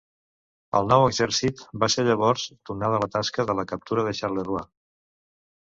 El nou exèrcit va ser llavors donada la tasca de la captura de Charleroi.